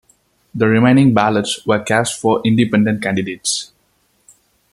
The remaining ballots were cast for independent candidates.